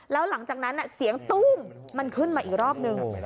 แล้วหลังจากนั้นเสียงตู้มมันขึ้นมาอีกรอบหนึ่ง